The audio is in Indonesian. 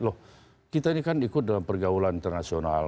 loh kita ini kan ikut dalam pergaulan internasional